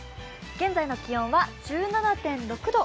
現在の気温は１７．６度。